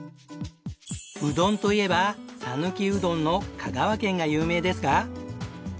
うどんといえば讃岐うどんの香川県が有名ですが。